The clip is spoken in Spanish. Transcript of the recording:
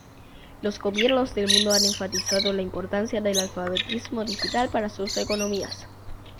Los gobiernos del mundo han enfatizado la importancia del alfabetismo digital para sus economías.